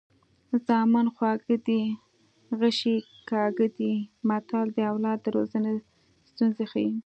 زامن خواږه دي غشي یې کاږه دي متل د اولاد د روزنې ستونزې ښيي